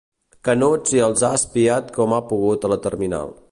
Canuts i els ha espiat com ha pogut a la terminal.